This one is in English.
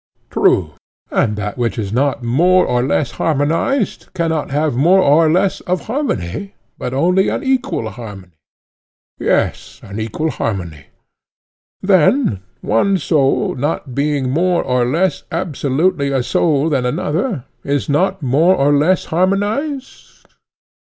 True. And that which is not more or less harmonized cannot have more or less of harmony, but only an equal harmony? Yes, an equal harmony. Then one soul not being more or less absolutely a soul than another, is not more or less harmonized?